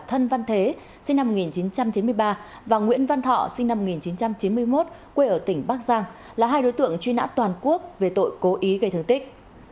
thân văn thế và nguyễn văn thọ là hai đối tượng truy nã toàn quốc về tội cố ý gây thương tích